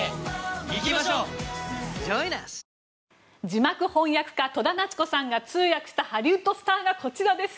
字幕翻訳家戸田奈津子さんが通訳したハリウッドスターがこちらです。